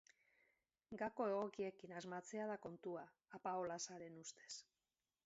Gako egokiekin asmatzea da kontua, Apaolazaren ustez.